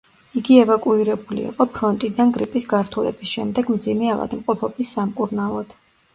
იგი ევაკუირებული იყო ფრონტიდან გრიპის გართულების შემდეგ მძიმე ავადმყოფობის სამკურნალოდ.